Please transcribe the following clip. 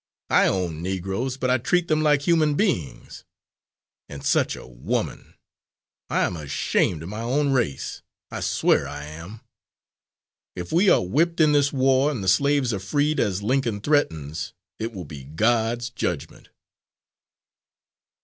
I own Negroes, but I treat them like human beings. And such a woman! I'm ashamed of my own race, I swear I am! If we are whipped in this war and the slaves are freed, as Lincoln threatens, it will be God's judgment!"